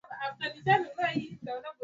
Mambo ya batu usikubebe wakati ju aina yako